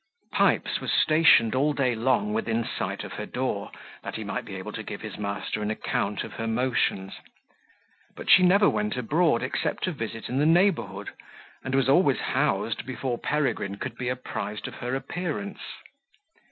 Pipes was stationed all day long within sight of her door, that he might be able to give his master an account of her motions; but she never went abroad except to visit in the neighbourhood, and was always housed before Peregrine could be apprised of her appearance.